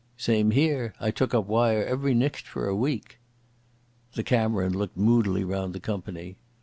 "Same here. I took up wire every nicht for a week." The Cameron looked moodily round the company.